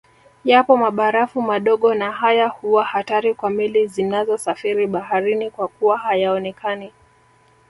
Yapo mabarafu madogo na haya huwa hatari kwa meli zinazosafiri baharini kwakuwa hayaonekani